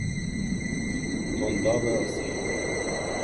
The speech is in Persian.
تنداب آسیاب